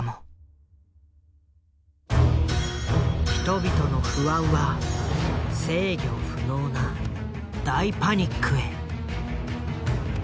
人々の不安は制御不能な大パニックへ。